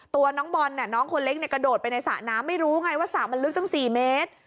ตัวน้องบอลน้องคนเล็กกระโดดไปในสระน้ำไม่รู้ไงว่าสระมันลึกตั้ง๔เมตร